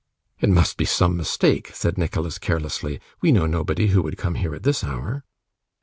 'It must be some mistake,' said Nicholas, carelessly. 'We know nobody who would come here at this hour.